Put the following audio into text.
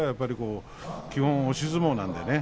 基本、押し相撲なんでね。